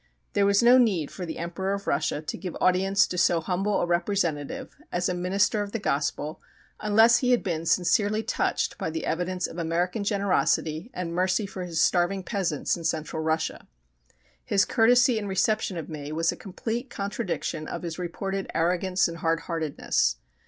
There was no need for the Emperor of Russia to give audience to so humble a representative as a minister of the Gospel unless he had been sincerely touched by the evidence of American generosity and mercy for his starving peasants in Central Russia. His courtesy and reception of me was a complete contradiction of his reported arrogance and hard heartedness.